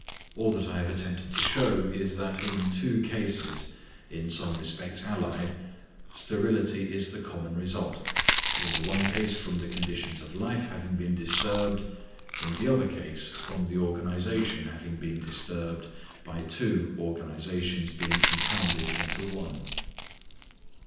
All that I have attempted to show is, that in two cases, in some respects allied, sterility is the common result—in the one case from the conditions of life having been disturbed, in the other case from the organisation having been disturbed by two organisations being compounded into one.